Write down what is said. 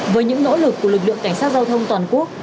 với những nỗ lực của lực lượng cảnh sát giao thông toàn quốc